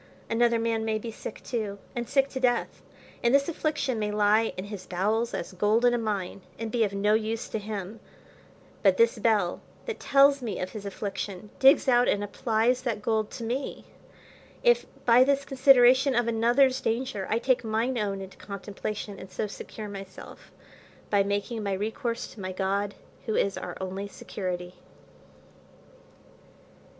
Another man may be sick too, and sick to death, and this affliction may lie in his bowels, as gold in a mine, and be of no use to him; but this bell, that tells me of his affliction, digs out and applies that gold to me: if by this consideration of another's danger I take mine own into contemplation, and so secure myself, by making my recourse to my God, who is our only security.